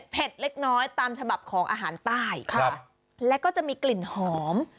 เล็กน้อยตามฉบับของอาหารใต้แล้วก็จะมีกลิ่นหอม